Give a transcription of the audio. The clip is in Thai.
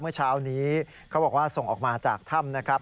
เมื่อเช้านี้เขาบอกว่าส่งออกมาจากถ้ำนะครับ